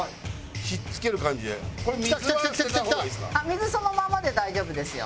水そのままで大丈夫ですよ。